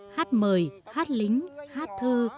hát mời hát lính hát thư